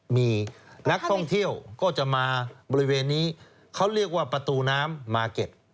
มีนักท่องเที่ยวก็จะมาบริเวณนี้เขาเรียกว่าประตูน้ำมาร์เก็ต